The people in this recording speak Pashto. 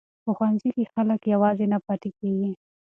په ښوونځي کې خلک یوازې نه پاتې کیږي.